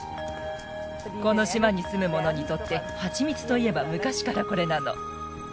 この島に住む者にとって蜂蜜といえば昔からこれなの。